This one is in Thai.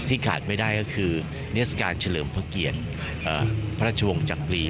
ขาดไม่ได้ก็คือนิทรศการเฉลิมพระเกียรติพระราชวงศ์จักรี